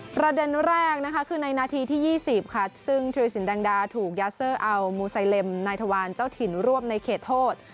ประเด็นแรกนะคะคือในนาทีที่๒๐ค่ะซึ่งธุรสินแดงดาถูกยาเซอร์เอามูไซเลมนายทวารเจ้าถิ่นรวบในเขตโทษ